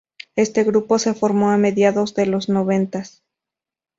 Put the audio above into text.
Este grupo se formó a mediados de los noventas.